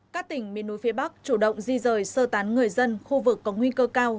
các tỉnh miền núi phía bắc chủ động di rời sơ tán người dân khu vực có nguy cơ cao